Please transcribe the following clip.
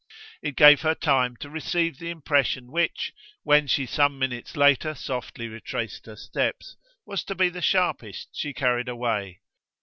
It gave her time to receive the impression which, when she some minutes later softly retraced her steps, was to be the sharpest she carried away.